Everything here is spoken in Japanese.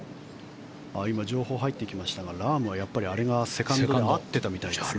今、情報が入ってきましたがラームはやっぱりあれがセカンドで合ってたみたいですね。